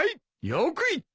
よく言った。